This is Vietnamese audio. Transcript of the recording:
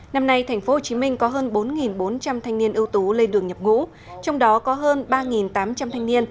năm nay tp hcm có hơn bốn bốn trăm linh thanh niên ưu tú lên đường nhập ngũ trong đó có hơn ba tám trăm linh thanh niên